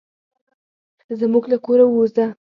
زموږ له کوره ووزه.